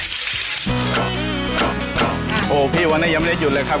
โอ้โหพี่วันนี้ยังไม่ได้หยุดเลยครับ